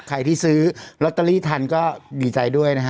ใครที่ซื้อลอตเตอรี่ทันก็ดีใจด้วยนะฮะ